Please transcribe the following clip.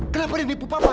kenapa dia nipu papa